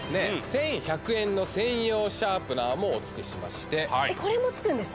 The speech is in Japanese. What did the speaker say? １１００円の専用シャープナーもお付けしましてえっこれも付くんですか？